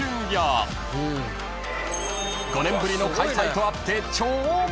［５年ぶりの開催とあって超満員］